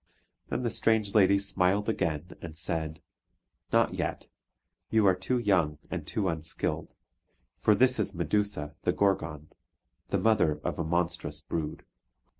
Then the strange lady smiled again, and said: "Not yet; you are too young, and too unskilled; for this is Medusa the Gorgon, the mother of a monstrous brood."